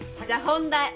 じゃあ本題。